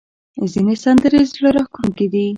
ځینې سندرې زړه راښکونکې دي.